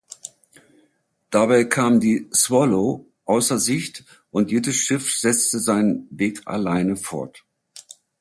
Dabei kam die "Swallow" außer Sicht und jedes Schiff setzte seinen Weg alleine fort.